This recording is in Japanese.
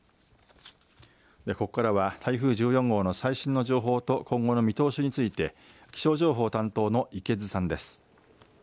ここからは台風１４号の最新の情報と今後の見通しについて気象情報担当の池津さんです。